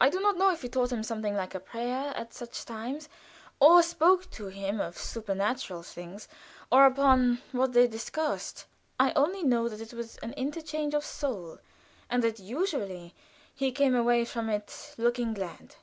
I do not know if he taught him something like a prayer at such times, or spoke to him of supernatural things, or upon what they discoursed. I only know that it was an interchange of soul, and that usually he came away from it looking glad.